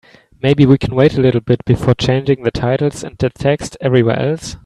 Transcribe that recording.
Maybe we can wait a little bit before changing the titles and the text everywhere else?